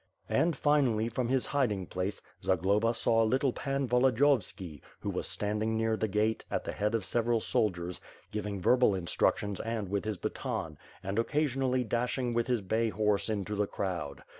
And, finally, from his hiding place, Zagloba saw little Pan Volodiyovski, who was standing near the gate, at the head of several soldiers, giving verbal instructions and with his baton and, occasionally dashing with his bay horse into the crowd.